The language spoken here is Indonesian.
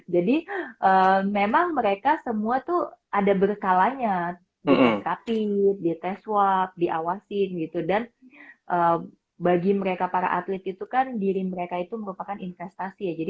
jadi memang mereka semua tuh ada berskalanya di terapit di test walk diawasin gitu dan bagi mereka para atlet itu kan diri mereka itu merupakan investasi ya